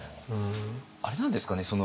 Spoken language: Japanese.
あれなんですかね？